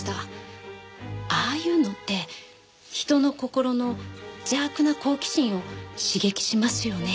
ああいうのって人の心の邪悪な好奇心を刺激しますよね。